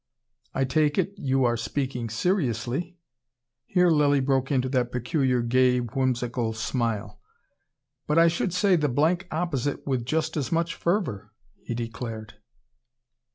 "I take it you are speaking seriously." Here Lilly broke into that peculiar, gay, whimsical smile. "But I should say the blank opposite with just as much fervour," he declared.